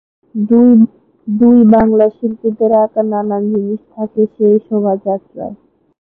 দুই বাংলার শিল্পীদের আকা নানান জিনিস থাকে সেই শোভযাত্রায়।